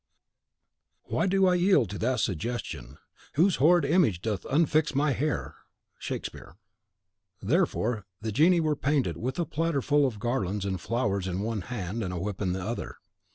Why do I yield to that suggestion, Whose horrid image doth unfix my hair. Shakespeare CHAPTER 6.I. Therefore the Genii were painted with a platter full of garlands and flowers in one hand, and a whip in the other.